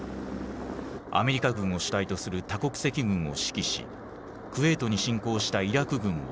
アメリカ軍を主体とする多国籍軍を指揮しクウェートに侵攻したイラク軍を撃破。